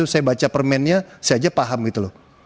saya baca permennya saya aja paham gitu loh